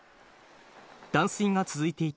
断水が続いていた